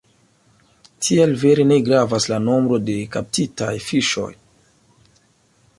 Tial vere ne gravas la nombro de kaptitaj fiŝoj.